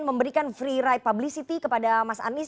dan memberikan free ride publicity kepada mas andi